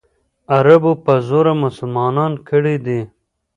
عربو په زوره مسلمانان کړي دي.